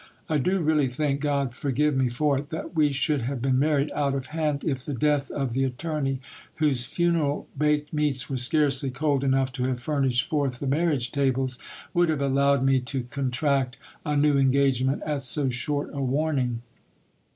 I do really think, God forgive me for it, that we should have been married out of hand, if the death of the attorney, whose funeral baked meats were scarcely cold enough to have furnished forth the marriage tables, would have allowed me to contract a new engagement at so short a warning.